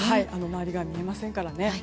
周りが見えませんから。